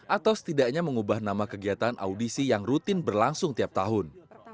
atau setidaknya mengubah nama kegiatan audisi yang rutin berlangsung tiap tahun